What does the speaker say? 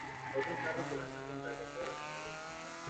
Otros carros se lanzan contra el resto de la compañía.